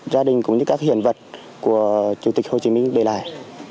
gia đình cũng như các hiện vật của chủ tịch hồ chí minh để lại